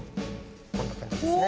こんな感じですね。